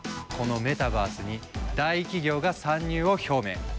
このメタバースに大企業が参入を表明。